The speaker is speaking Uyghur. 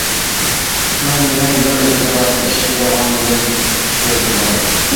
مەن بىلەن بىر ئىدارىدە ئىشلەيدىغاندىن بىرسى بار.